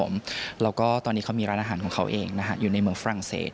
แล้วก็ตอนนี้เขามีร้านอาหารของเขาเองอยู่ในเมืองฝรั่งเศส